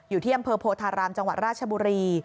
อยู่ที่อำเภอโพธารามจังหวัดราชบุรี